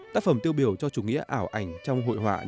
tác phẩm tiêu biểu cho chủ nghĩa ảo ảnh trong hội họa phương tây